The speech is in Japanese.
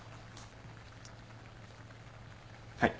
はい。